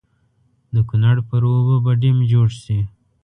د کنړ پر اوبو به ډېم جوړ شي.